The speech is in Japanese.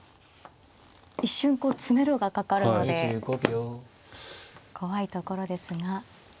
一瞬こう詰めろがかかるので怖いところですが。